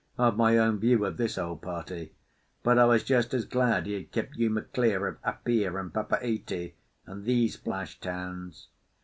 I've my own view of this old party; but I was just as glad he had kept Uma clear of Apia and Papeete and these flash towns.